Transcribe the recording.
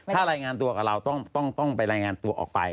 ถ้ารายงานตัวกับเราต้องไปรายงานตัวออกไป